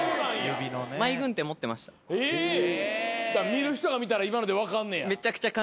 見る人が見たら今ので分かんねや。